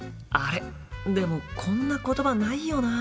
でもこんな言葉ないよな。